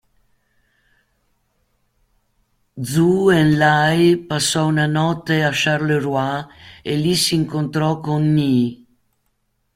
Zhou Enlai passò una notte a Charleroi e lì si incontrò con Nie.